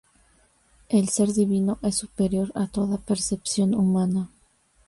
El Ser Divino es superior a toda percepción humana.